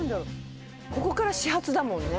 ここから始発だもんね。